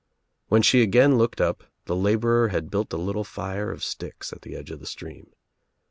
When she again looked up the laborer had built a little fire of sticks at the edge of the stream.